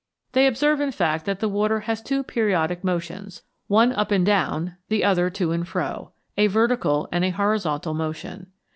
They observe, in fact, that the water has two periodic motions one up and down, the other to and fro a vertical and a horizontal motion.